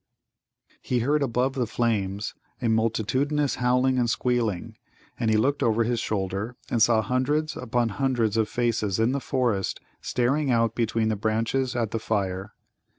he heard above the flames a multitudinous howling and squealing, and he looked over his shoulder, and saw hundreds upon hundreds of faces in the forest staring out between the branches at the fire.